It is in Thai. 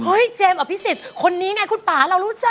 เจมส์อภิษฎคนนี้ไงคุณป่าเรารู้จัก